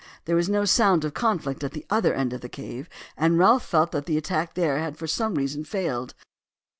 There was no sound of conflict at the other end of the cave, and Ralph felt that the attack there had for some reason failed.